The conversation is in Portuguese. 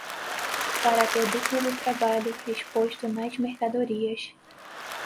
Carácter duplo do trabalho exposto nas mercadorias